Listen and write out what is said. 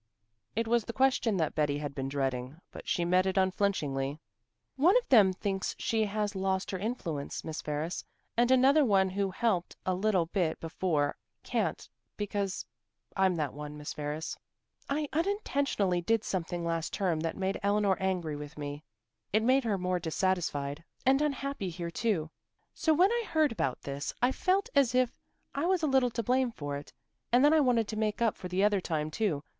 It was the question that Betty had been dreading, but she met it unflinchingly. "One of them thinks she has lost her influence, Miss Ferris, and another one who helped a little bit before, can't, because I'm that one, Miss Ferris. I unintentionally did something last term that made Eleanor angry with me. It made her more dissatisfied and unhappy here too; so when I heard about this I felt as if I was a little to blame for it, and then I wanted to make up for the other time too.